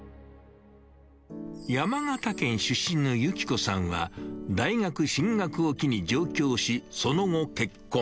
山形県出身の由紀子さんは、大学進学を機に上京し、その後、結婚。